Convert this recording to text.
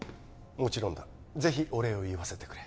もちろんだぜひお礼を言わせてくれ